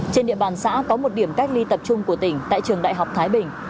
trên địa bàn xã có một điểm cách ly tập trung của tỉnh tại trường đại học thái bình